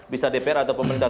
bisa dpr atau pemerintah